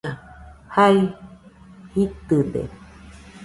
Jae jitɨde